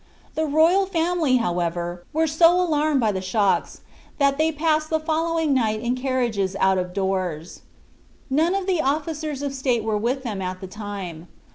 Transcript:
The royal family, however, were so alarmed by the shocks, that they passed the following night in carriages out of doors. None of the officers of state were with them at the time.